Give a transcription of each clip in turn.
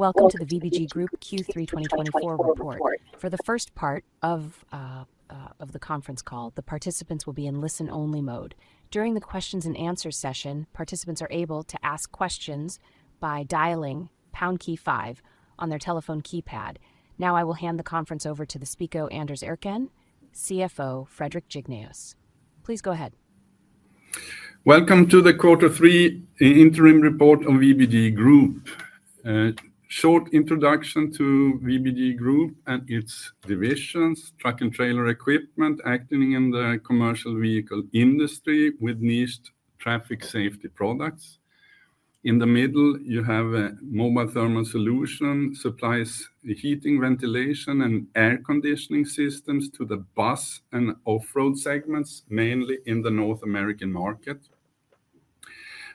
Welcome to the VBG Group Q3 2024 report. For the first part of the conference call, the participants will be in listen-only mode. During the questions and answer session, participants are able to ask questions by dialing pound key five on their telephone keypad. Now, I will hand the conference over to the speaker, Anders Erkén, CFO, Fredrik Järdler. Please go ahead. Welcome to the Quarter Three interim report on VBG Group. Short introduction to VBG Group and its divisions, Truck & Trailer Equipment, acting in the commercial vehicle industry with niche traffic safety products. In the middle, you have a Mobile Thermal Solutions, supplies the heating, ventilation, and air conditioning systems to the bus and off-road segments, mainly in the North American market.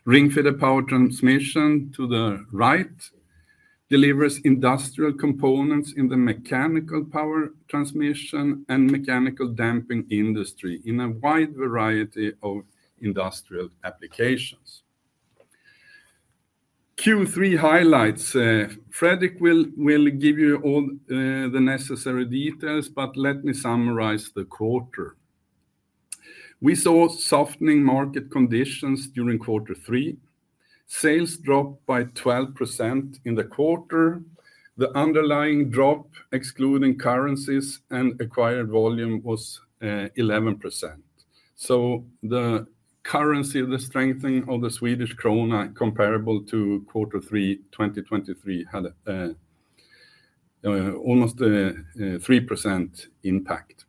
Ringfeder Power Transmission to the right, delivers industrial components in the mechanical power transmission and mechanical damping industry in a wide variety of industrial applications. Q3 highlights, Fredrik will give you all the necessary details, but let me summarize the quarter. We saw softening market conditions during quarter three. Sales dropped by 12% in the quarter. The underlying drop, excluding currencies and acquired volume, was 11%. The currency, the strengthening of the Swedish krona, comparable to Quarter three, 2023 had almost a 3% impact.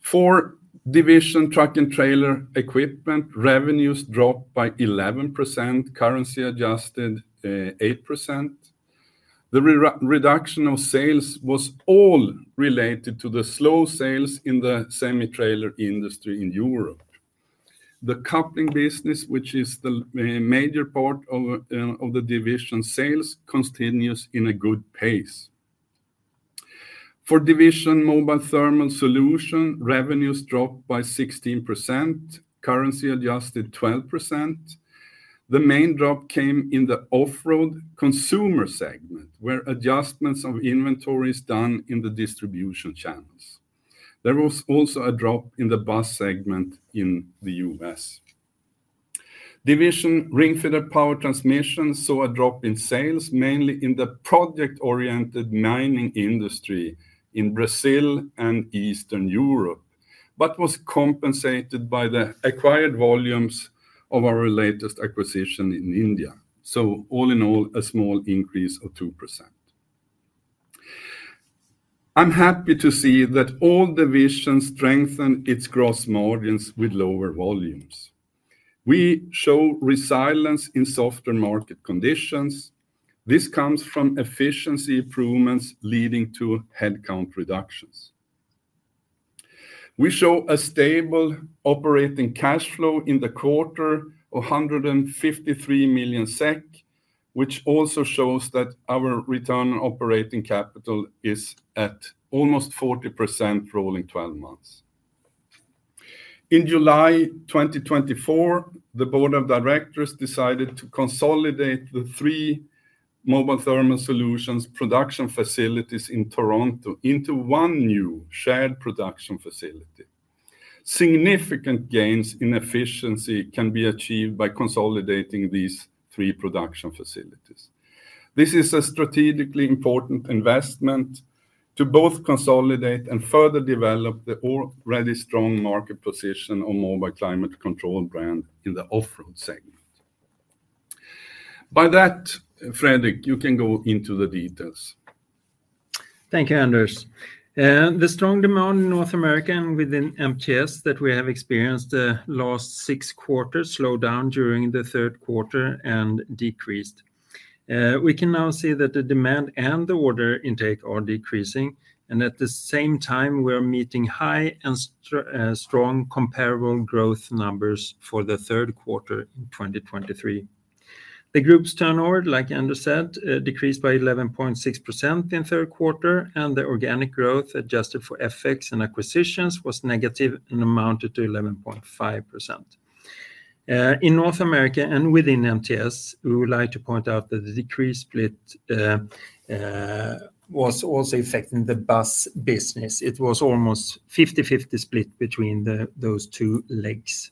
For division Truck & Trailer Equipment, revenues dropped by 11%, currency adjusted 8%. The reduction of sales was all related to the slow sales in the semi-trailer industry in Europe. The coupling business, which is the major part of the division sales, continues in a good pace. For division Mobile Thermal Solutions, revenues dropped by 16%, currency adjusted 12%. The main drop came in the off-road consumer segment, where adjustments of inventory is done in the distribution channels. There was also a drop in the bus segment in the U.S. Division Ringfeder Power Transmission saw a drop in sales, mainly in the project-oriented mining industry in Brazil and Eastern Europe, but was compensated by the acquired volumes of our latest acquisition in India. So all in all, a small increase of 2%. I'm happy to see that all divisions strengthen its gross margins with lower volumes. We show resilience in softer market conditions. This comes from efficiency improvements leading to headcount reductions. We show a stable operating cash flow in the quarter of 153 million SEK, which also shows that our return on operating capital is at almost 40% rolling 12 months. In July 2024, the board of directors decided to consolidate the three Mobile Thermal Solutions production facilities in Toronto into one new shared production facility. Significant gains in efficiency can be achieved by consolidating these three production facilities. This is a strategically important investment to both consolidate and further develop the already strong market position on Mobile Climate Control brand in the off-road segment. By that, Fredrik, you can go into the details. Thank you, Anders. The strong demand in North America and within MTS that we have experienced the last six quarters slowed down during the third quarter and decreased. We can now see that the demand and the order intake are decreasing, and at the same time, we are meeting high and strong comparable growth numbers for the third quarter in 2023. The group's turnover, like Anders said, decreased by 11.6% in third quarter, and the organic growth, adjusted for FX and acquisitions, was negative and amounted to 11.5%. In North America and within MTS, we would like to point out that the decrease split was also affecting the bus business. It was almost fifty-fifty split between the, those two legs.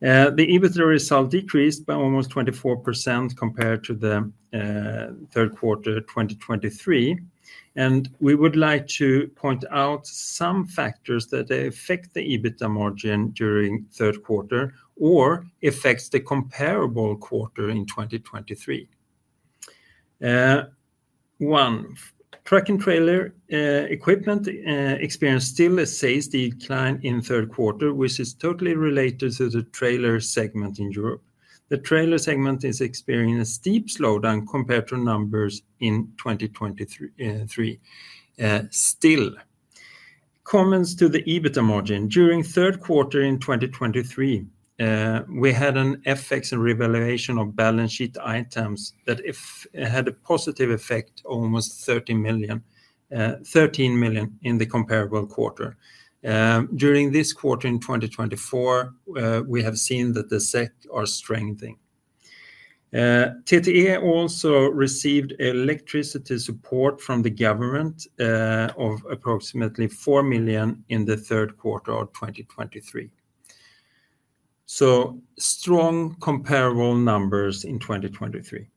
The EBITDA result decreased by almost 24% compared to the third quarter 2023, and we would like to point out some factors that affect the EBITDA margin during third quarter or affects the comparable quarter in 2023. One, Truck & Trailer Equipment experienced still a sales decline in third quarter, which is totally related to the trailer segment in Europe. The trailer segment is experiencing a steep slowdown compared to numbers in 2023 still. Comments to the EBITDA margin. During third quarter in 2023, we had an FX revaluation of balance sheet items that if. It had a positive effect, almost 13 million, 13 million in the comparable quarter. During this quarter in 2024, we have seen that the SEK are strengthening. TTE also received electricity support from the government of approximately 4 million in the third quarter of 2023. Strong comparable numbers in 2023.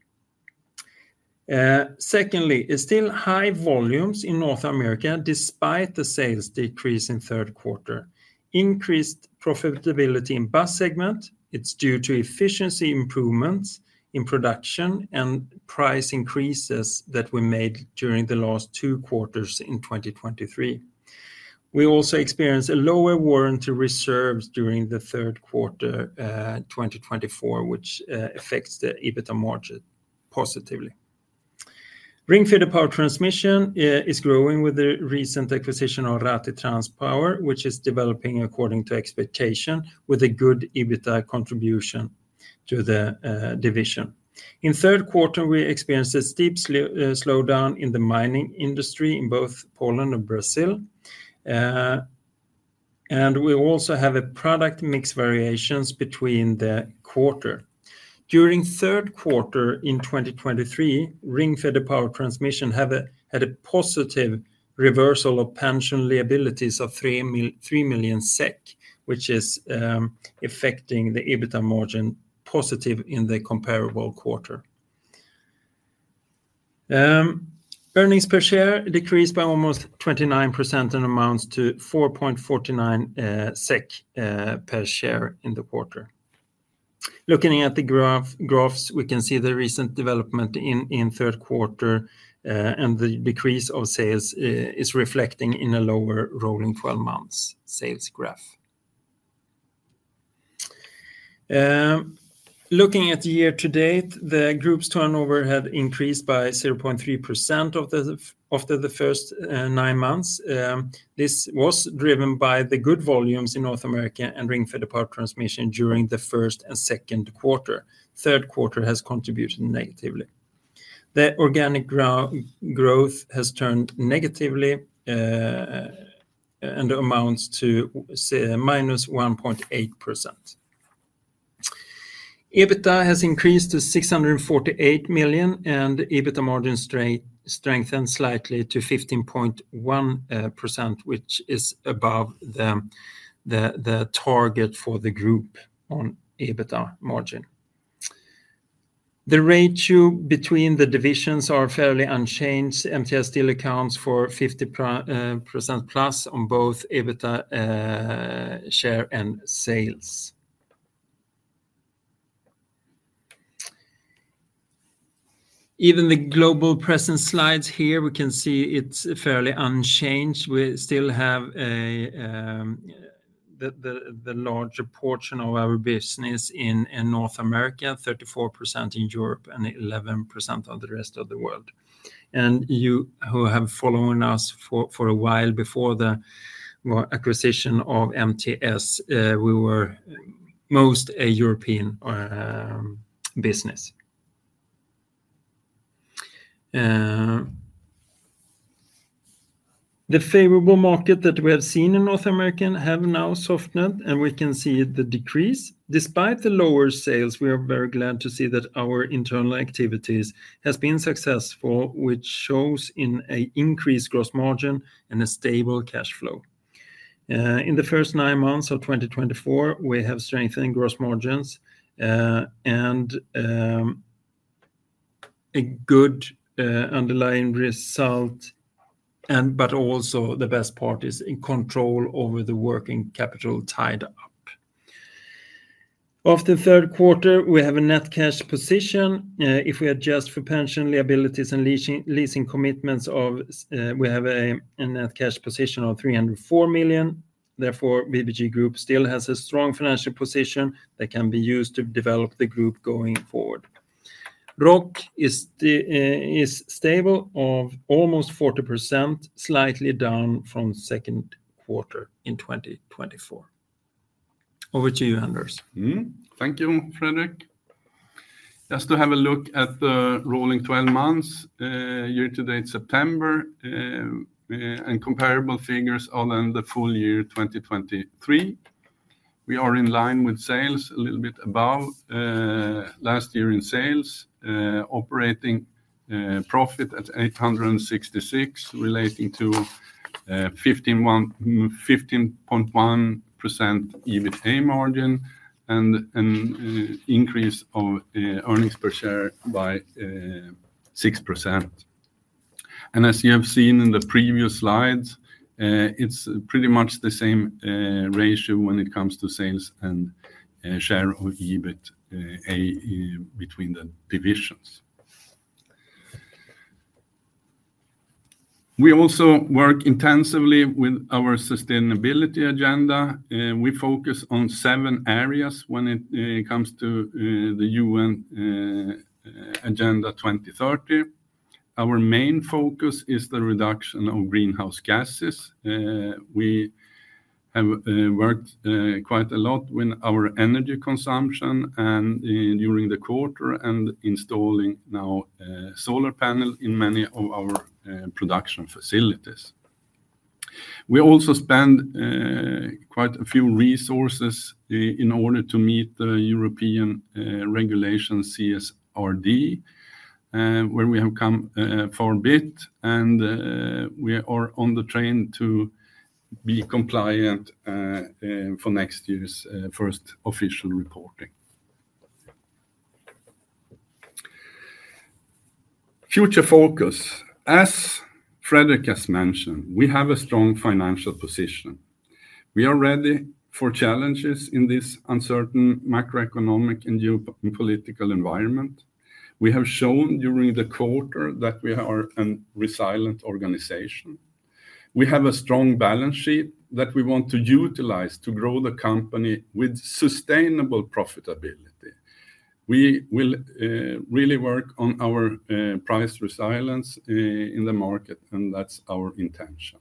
Secondly, it is still high volumes in North America, despite the sales decrease in third quarter. Increased profitability in bus segment. It is due to efficiency improvements in production and price increases that we made during the last two quarters in 2023. We also experienced a lower warranty reserves during the third quarter 2024, which affects the EBITDA margin positively. Ringfeder Power Transmission is growing with the recent acquisition of Rathi Transpower, which is developing according to expectation, with a good EBITDA contribution to the division. In third quarter, we experienced a steep slowdown in the mining industry in both Poland and Brazil. And we also have a product mix variations between the quarter. During the third quarter in 2023, Ringfeder Power Transmission had a positive reversal of pension liabilities of 3 million SEK which is affecting the EBITDA margin positive in the comparable quarter. Earnings per share decreased by almost 29% and amounts to 4.49 SEK per share in the quarter. Looking at the graphs, we can see the recent development in third quarter and the decrease of sales is reflecting in a lower rolling twelve months sales graph. Looking at the year to date, the group's turnover had increased by 0.3% after the first nine months. This was driven by the good volumes in North America and Ringfeder Power Transmission during the first and second quarter. Third quarter has contributed negatively. The organic growth has turned negatively and amounts to, say, -1.8%. EBITDA has increased to 648 million, and EBITDA margin strengthened slightly to 15.1%, which is above the target for the group on EBITDA margin. The ratio between the divisions are fairly unchanged. MTS still accounts for 50% plus on both EBITDA share and sales. Even the global presence slides here, we can see it's fairly unchanged. We still have the larger portion of our business in North America, 34% in Europe, and 11% of the rest of the world. You who have followed us for a while before the, well, acquisition of MTS, we were mostly a European business. The favorable market that we have seen in North America have now softened, and we can see the decrease. Despite the lower sales, we are very glad to see that our internal activities has been successful, which shows in an increased gross margin and a stable cash flow. In the first nine months of 2024 we have strengthened gross margins, and a good underlying result, and but also the best part is in control over the working capital tied up. After third quarter, we have a net cash position. If we adjust for pension liabilities and leasing commitments of, we have a net cash position of 304 million. Therefore, VBG Group still has a strong financial position that can be used to develop the group going forward. ROC is stable at almost 40%, slightly down from second quarter in 2024. Over to you, Anders. Thank you, Fredrik. Just to have a look at the rolling twelve months, year to date, September, and comparable figures for the full year 2023. We are in line with sales, a little bit above last year in sales. Operating profit at 866, relating to 15.1% EBITDA margin, and an increase of earnings per share by 6%, and as you have seen in the previous slides, it's pretty much the same ratio when it comes to sales and share of EBITA between the divisions. We also work intensively with our sustainability agenda, we focus on seven areas when it comes to the UN Agenda 2030. Our main focus is the reduction of greenhouse gases. We have worked quite a lot with our energy consumption, and during the quarter, and installing now solar panel in many of our production facilities. We also spend quite a few resources in order to meet the European regulation CSRD, where we have come far a bit, and we are on the train to be compliant for next year's first official reporting. Future focus. As Fredrik has mentioned, we have a strong financial position. We are ready for challenges in this uncertain macroeconomic and geo-political environment. We have shown during the quarter that we are a resilient organization. We have a strong balance sheet that we want to utilize to grow the company with sustainable profitability. We will really work on our price resilience in the market, and that's our intention.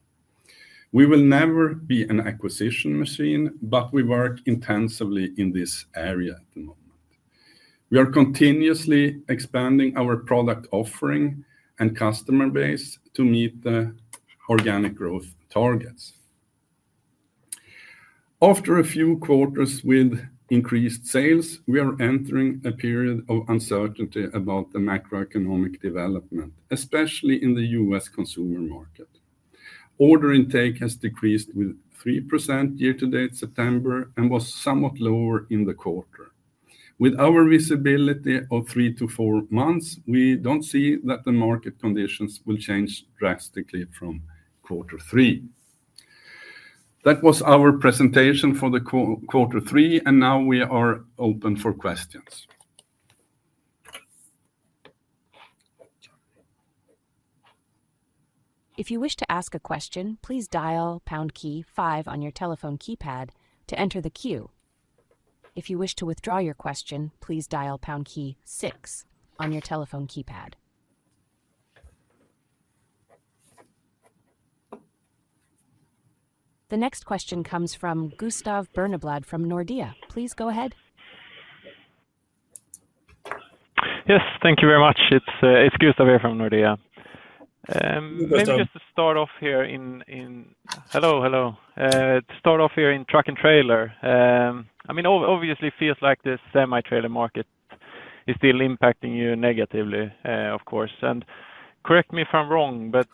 We will never be an acquisition machine, but we work intensively in this area at the moment. We are continuously expanding our product offering and customer base to meet the organic growth targets. After a few quarters with increased sales, we are entering a period of uncertainty about the macroeconomic development, especially in the U.S. consumer market. Order intake has decreased with 3% year to date, September, and was somewhat lower in the quarter. With our visibility of three to four months, we don't see that the market conditions will change drastically from quarter three. That was our presentation for the quarter three, and now we are open for questions. If you wish to ask a question, please dial pound key five on your telephone keypad to enter the queue. If you wish to withdraw your question, please dial pound key six on your telephone keypad. The next question comes from Gustav Berneblad from Nordea. Please go ahead. Yes, thank you very much. It's Gustav here from Nordea. Welcome. To start off here in truck and trailer, I mean, obviously, it feels like the semi-trailer market is still impacting you negatively, of course, and correct me if I'm wrong, but,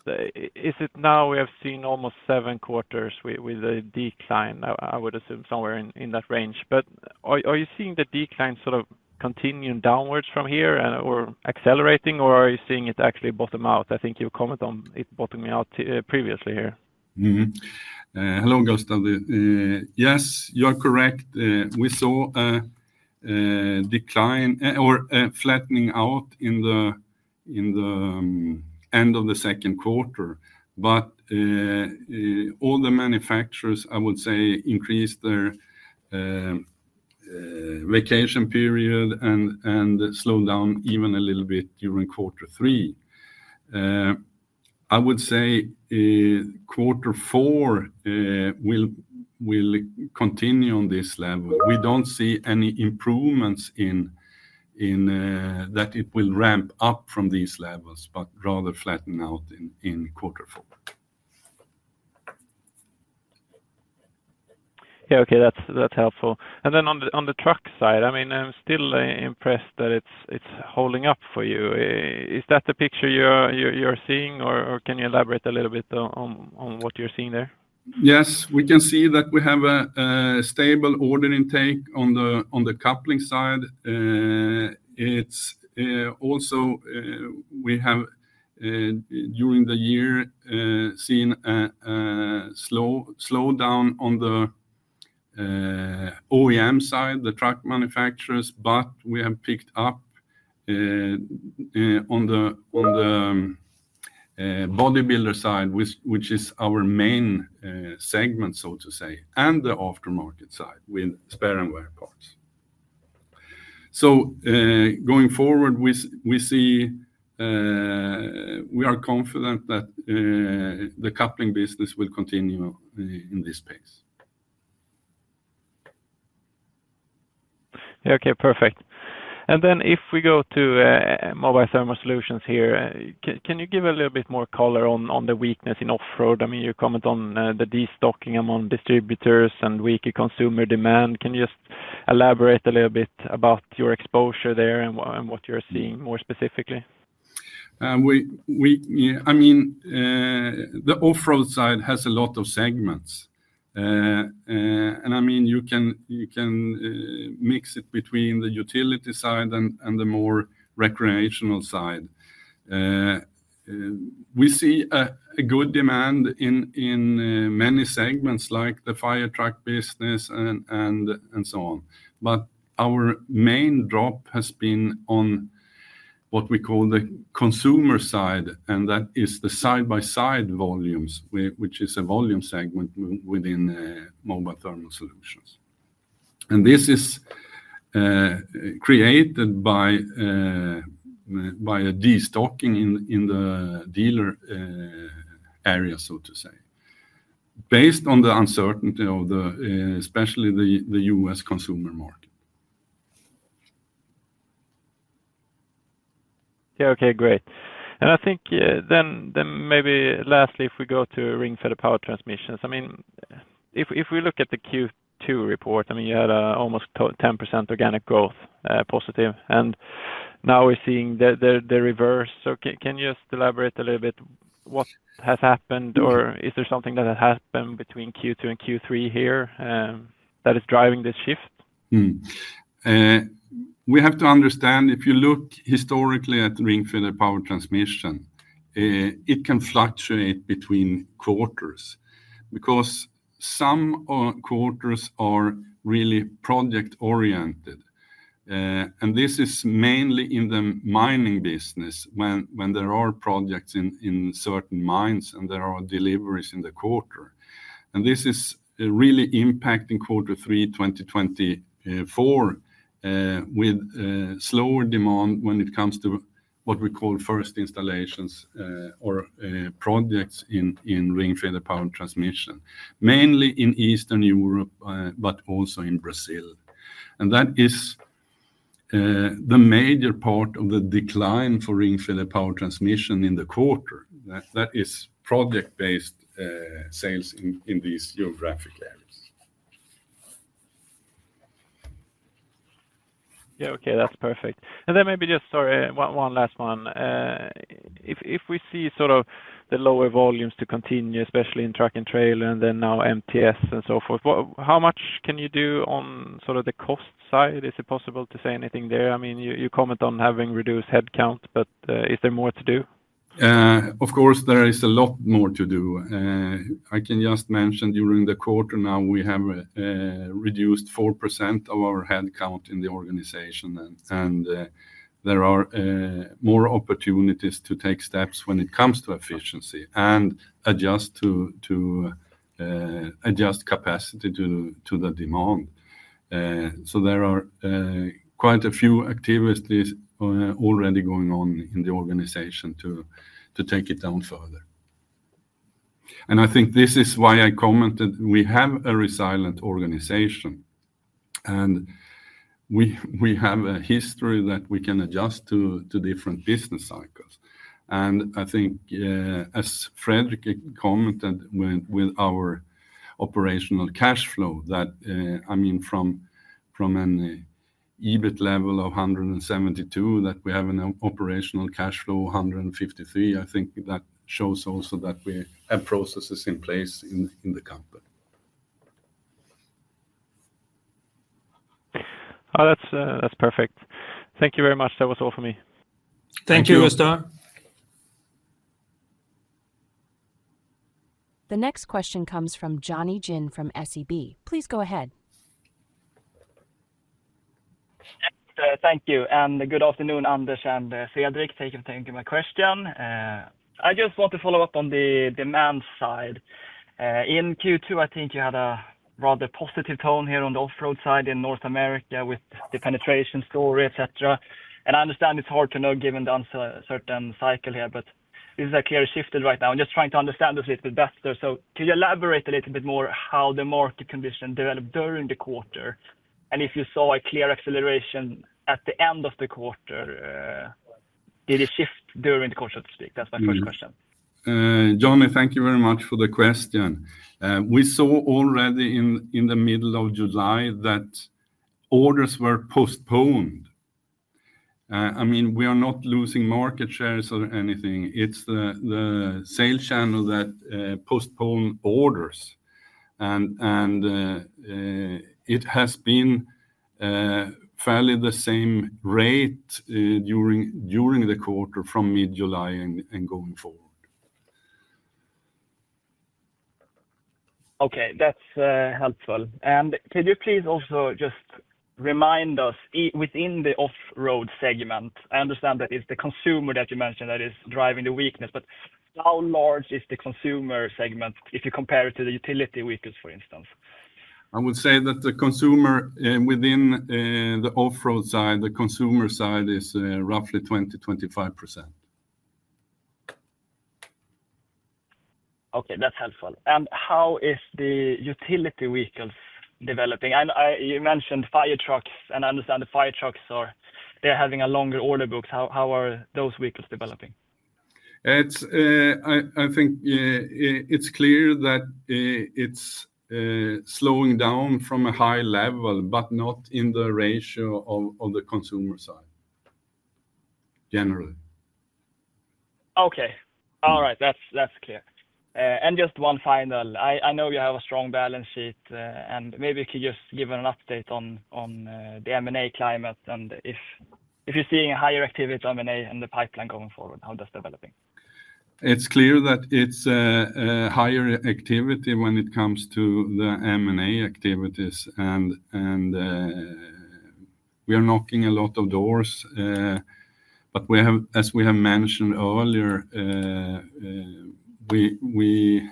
is it now we have seen almost seven quarters with a decline? I would assume somewhere in that range, but are you seeing the decline sort of continuing downwards from here or accelerating, or are you seeing it actually bottom out? I think you commented on it bottoming out, previously here. Hello, Gustav. Yes, you are correct. We saw a decline, or a flattening out in the end of the second quarter, but all the manufacturers, I would say, increased their vacation period and slowed down even a little bit during quarter three. I would say, quarter four will continue on this level. We don't see any improvements in that it will ramp up from these levels, but rather flatten out in quarter four. Yeah, okay, that's helpful. And then on the truck side, I mean, I'm still impressed that it's holding up for you. Is that the picture you're seeing, or can you elaborate a little bit on what you're seeing there? Yes, we can see that we have a stable order intake on the coupling side. It's also we have during the year seen a slowdown on the OEM side, the truck manufacturers, but we have picked up on the bodybuilder side, which is our main segment, so to say, and the aftermarket side with spare and wear parts. So, going forward, we see we are confident that the coupling business will continue in this pace. Yeah, okay, perfect. And then if we go to Mobile Thermal Solutions here, can you give a little bit more color on the weakness in off-road? I mean, you comment on the destocking among distributors and weaker consumer demand. Can you just elaborate a little bit about your exposure there and what you're seeing more specifically? Yeah, I mean, the off-road side has a lot of segments. And I mean, you can mix it between the utility side and the more recreational side. We see a good demand in many segments, like the fire truck business and so on, but our main drop has been on what we call the consumer side, and that is the side-by-side volumes, which is a volume segment within Mobile Thermal Solutions. And this is created by a destocking in the dealer area, so to say. Based on the uncertainty of the especially the US consumer market. Yeah, okay, great. And I think, then maybe lastly, if we go to Ringfeder Power Transmission, I mean, if we look at the Q2 report, I mean, you had almost 10% organic growth, positive, and now we're seeing the reverse. So can you just elaborate a little bit what has happened? Or is there something that has happened between Q2 and Q3 here, that is driving this shift? We have to understand, if you look historically at Ringfeder Power Transmission, it can fluctuate between quarters because some quarters are really project-oriented. This is mainly in the mining business, when there are projects in certain mines, and there are deliveries in the quarter. This is really impacting quarter three, 2024, with slower demand when it comes to what we call first installations or projects in Ringfeder Power Transmission, mainly in Eastern Europe, but also in Brazil. That is the major part of the decline for Ringfeder Power Transmission in the quarter. That is project-based sales in these geographic areas. Yeah, okay. That's perfect. And then maybe just, sorry, one last one. If we see sort of the lower volumes to continue, especially in truck and trailer and then now MTS and so forth, what, how much can you do on sort of the cost side? Is it possible to say anything there? I mean, you comment on having reduced headcount, but is there more to do? Of course, there is a lot more to do. I can just mention, during the quarter now, we have reduced 4% of our headcount in the organization, and there are more opportunities to take steps when it comes to efficiency and adjust to adjust capacity to the demand. So there are quite a few activities already going on in the organization to take it down further. And I think this is why I commented we have a resilient organization, and we have a history that we can adjust to different business cycles. I think, as Fredrik commented with our operational cash flow, that, I mean, from an EBIT level of 172, that we have an operational cash flow of 153. I think that shows also that we have processes in place in the company. Oh, that's, that's perfect. Thank you very much. That was all for me. Thank you. Thank you, Gustav. The next question comes from Jonny Jin from SEB. Please go ahead. Yes, thank you, and good afternoon, Anders Erkén and Fredrik Järdler. Thank you for taking my question. I just want to follow up on the demand side. In Q2, I think you had a rather positive tone here on the off-road side in North America with the penetration story, et cetera, and I understand it's hard to know, given the uncertain cycle here, but this is clearly shifted right now. I'm just trying to understand this a little bit better. So can you elaborate a little bit more how the market conditions developed during the quarter, and if you saw a clear acceleration at the end of the quarter? Did it shift during the quarter, so to speak? That's my first question. Jonny, thank you very much for the question. We saw already in the middle of July that orders were postponed. I mean, we are not losing market shares or anything. It's the sales channel that postpone orders, and it has been fairly the same rate during the quarter from mid-July and going forward. Okay, that's helpful. And could you please also just remind us within the off-road segment, I understand that it's the consumer that you mentioned that is driving the weakness, but how large is the consumer segment if you compare it to the utility vehicles, for instance? I would say that the consumer, within, the off-road side, the consumer side is, roughly 20-25%. Okay, that's helpful. And how is the utility vehicles developing? I know, you mentioned fire trucks, and I understand the fire trucks are... They're having a longer order books. How are those vehicles developing? I think it's clear that it's slowing down from a high level, but not in the ratio of the consumer side, generally. Okay. All right. That's, that's clear. And just one final. I know you have a strong balance sheet, and maybe you could just give an update on the M&A climate and if you're seeing higher activity in M&A in the pipeline going forward, how that's developing. It's clear that it's a higher activity when it comes to the M&A activities, and we are knocking a lot of doors, but we have, as we have mentioned earlier, we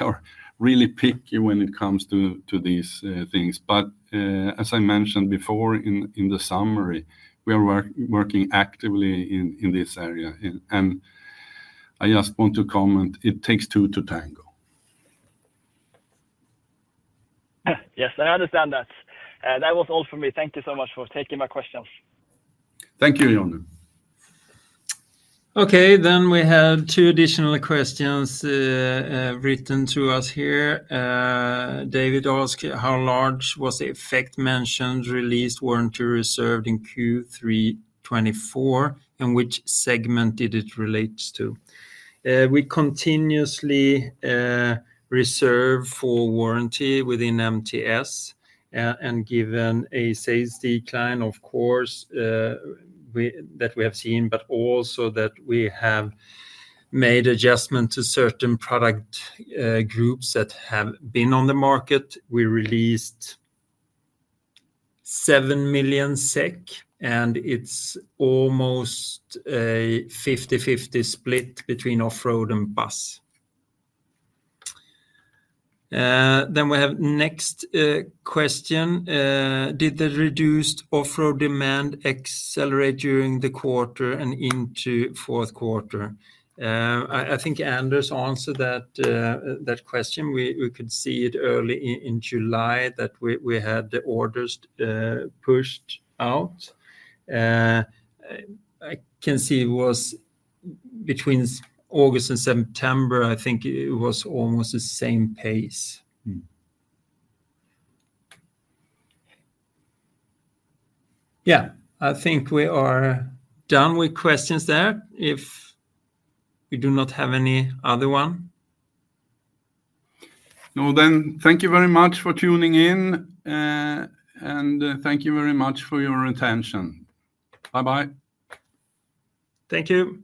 are really picky when it comes to these things. But, as I mentioned before in the summary, we are working actively in this area, and I just want to comment: It takes two to tango. I understand that. That was all for me. Thank you so much for taking my questions. Thank you, Jonny. Okay, then we have two additional questions, written to us here. David asked, "How large was the effect mentioned, released, warranty reserved in Q3 2024, and which segment did it relates to?" We continuously reserve for warranty within MTS, and given a sales decline, of course, that we have seen, but also that we have made adjustment to certain product groups that have been on the market. We released 7 million SEK, and it's almost a 50-50 split between Off-Road and Bus. Then we have next question. "Did the reduced Off-Road demand accelerate during the quarter and into fourth quarter?" I think Anders answered that question. We could see it early in July that we had the orders pushed out. I can see it was between August and September, I think it was almost the same pace. Yeah, I think we are done with questions there, if we do not have any other one? No, then thank you very much for tuning in, and thank you very much for your attention. Bye-bye. Thank you.